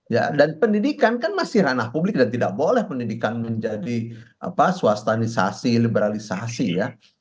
ya dan pendidikan kan masih ranah publik dan tidak boleh pendidikan menjadi swastanisasi liberalisasi ya